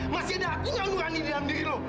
masih ada aku yang lurani di dalam diri lo